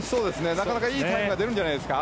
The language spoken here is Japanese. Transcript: なかなかいいタイムが出るんじゃないですか。